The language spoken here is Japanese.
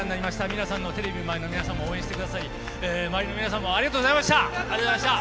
皆さんの、テレビの前の皆さんも応援してくださり、周りの皆さんもありがとありがとうございました。